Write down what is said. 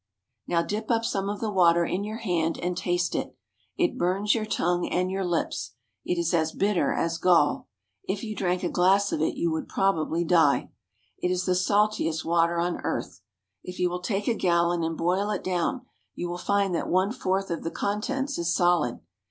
Now dip up some of the water in your hand and taste it. It burns your tongue and your lips. It is as bitter as gall. If you drank a glass of it you would probably die. It is the saltiest water on earth. If you will take a gallon and boil it down, you will find that one fourth of the contents is solid.